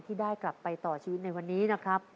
ที่ได้กลับไปต่อชีวิตในวันนี้นะครับ